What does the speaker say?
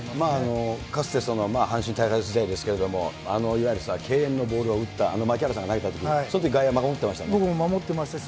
かつて阪神タイガース時代ですけれども、いわゆる敬遠のボールを打った、あの槙原さんが投げたとき、そのとき外野、守ってましたね。